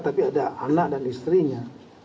tapi ada anak dan istrinya